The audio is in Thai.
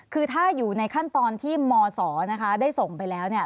คือถ้าอยู่ในขั้นตอนที่มศนะคะได้ส่งไปแล้วเนี่ย